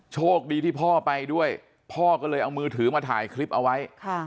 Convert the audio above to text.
โชคดีที่พ่อไปด้วยพ่อก็เลยเอามือถือมาถ่ายคลิปเอาไว้